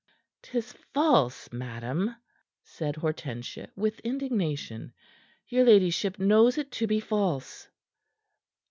"'Tis false, madam," said Hortensia, with indignation. "Your ladyship knows it to be false."